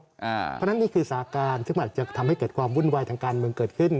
เพราะฉะนั้นนี่คือสาการซึ่งมันอาจจะทำให้เกิดความวุ่นวายทางการเมืองเกิดขึ้น